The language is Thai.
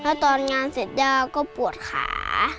ถ้าตอนงานเสร็จย่าก็ปวดขา